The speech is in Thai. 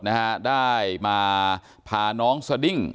อยากให้สังคมรับรู้ด้วย